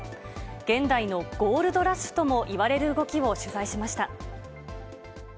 現代のゴールドラッシュともいわれる動きを取材しました。